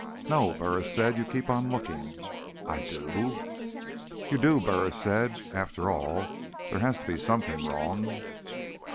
"No," Burris said. "You keep on looking." "I do?" "You do," Burris said. "After all, there has to be something wrong."